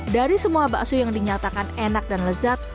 dari semua bakso yang dinyatakan enak dan lezat